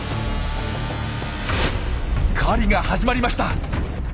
狩りが始まりました！